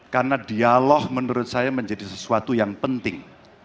karena dialog menurut saya menjadi sesuatu yang penting